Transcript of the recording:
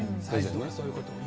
そういうことね。